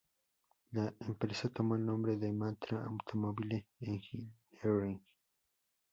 La empresa tomó el nombre de Matra Automobile Engineering.